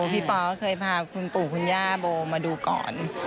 พี่ปอสเคยพาคุณปู่คุณย่าโบมาดูก่อน